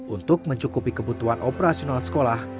untuk mencukupi kebutuhan operasional sekolah